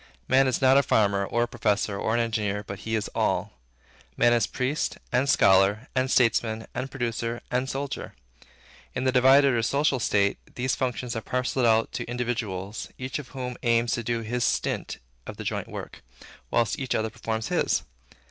Man is not a farmer, or a professor, or an engineer, but he is all. Man is priest, and scholar, and statesman, and producer, and soldier. In the divided or social state, these functions are parceled out to individuals, each of whom aims to do his stint of the joint work, whilst each other performs his.